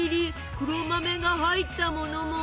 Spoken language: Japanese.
黒豆が入ったものも。